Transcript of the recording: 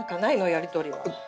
やりとりは。